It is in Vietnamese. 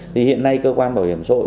thì hiện nay cơ quan bảo hiểm xã hội